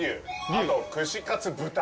あと串カツ豚。